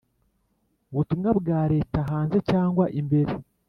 butumwa bwa Leta hanze cyangwa imbere